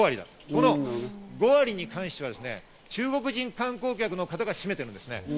この５割に関しては、中国人観光客の方が占めてるんですね。